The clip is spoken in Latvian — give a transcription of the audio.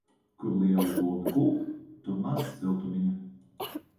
Kur lieli dūmi kūp, tur maz siltumiņa.